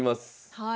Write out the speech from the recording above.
はい。